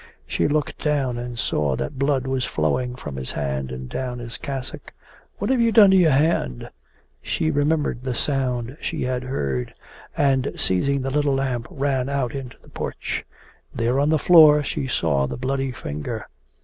She looked down and saw that blood was flowing from his hand and down his cassock. 'What have you done to your hand?' She remembered the sound she had heard, and seizing the little lamp ran out into the porch. There on the floor she saw the bloody finger.